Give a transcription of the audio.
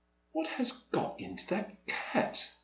'*What has got into that cat?"